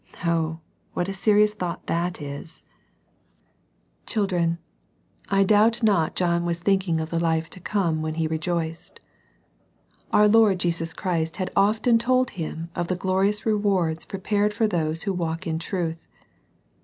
Oh, what a serious thouglal iTaaXv&X 38 SERMONS FOR CHILDREN. Children, I doubt not John was thinking of the life to come when he rejoiced. Our Lord Jesus Christ had often told him of the glorious rewards prepared for those who walk in truth.